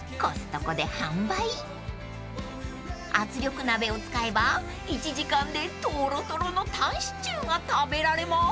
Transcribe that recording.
［圧力鍋を使えば１時間でとろとろのタンシチューが食べられます］